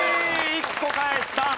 １個返した。